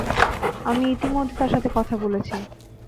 আমি ইতিমধ্যে তার সাথে কথা বলছি।